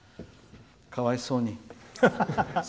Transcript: かわいそうに。